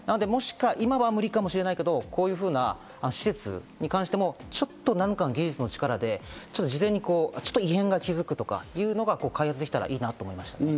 今は無理かもしれないけど、こういうふうな施設に関して、何かの技術の力で事前に異変に気づくとかいうのが開発できたらいいなと思いました。